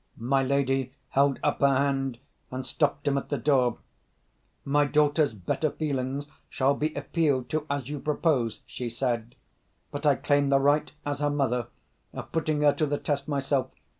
My lady held up her hand, and stopped him at the door. "My daughter's better feelings shall be appealed to, as you propose," she said. "But I claim the right, as her mother, of putting her to the test myself.